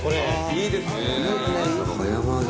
いいですね。